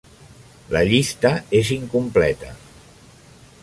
"La llista és incompleta".